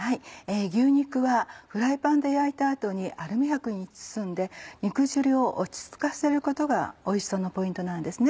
牛肉はフライパンで焼いた後にアルミ箔に包んで肉汁を落ち着かせることがおいしさのポイントなんですね。